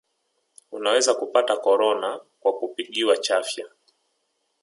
unaweza kupata korona kwa kupigiwa chafya